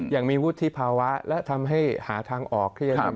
อย่างมีวุฒิภาวะและทำให้หาทางออก